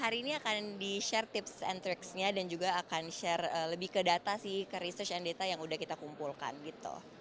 hari ini akan di share tips and tricks nya dan juga akan share lebih ke data sih ke research and data yang udah kita kumpulkan gitu